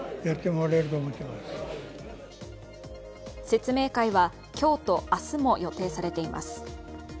説明会は今日と明日も予定されています。